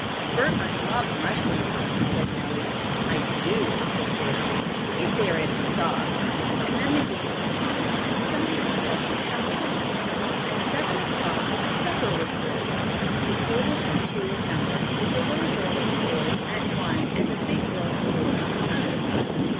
"Bert must love mushrooms," said Nellie. "I do," said Bert, "if they are in a sauce." And then the game went on, until somebody suggested something else. At seven o'clock a supper was served. The tables were two in number, with the little girls and boys at one and the big girls and boys at the other.